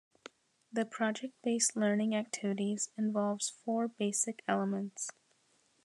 The project based learning activities involves four basic elements.